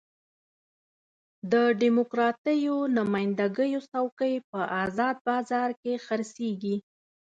د ډیموکراتیکو نماینده ګیو څوکۍ په ازاد بازار کې خرڅېږي.